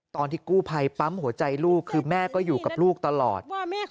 ตอนที่กู้ภัยปั๊มหัวใจลูกคือแม่ก็อยู่กับลูกตลอด